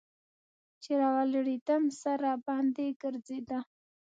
چې راولاړېدم سر راباندې ګرځېده.